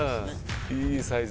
いいサイズ。